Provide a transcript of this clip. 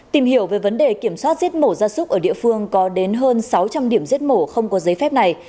tìm hiểu về vấn đề kiểm soát giết mổ ra súc ở địa phương có đến hơn sáu trăm linh điểm giết mổ không có giấy phép này